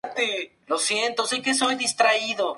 O refugiarse en la parte española.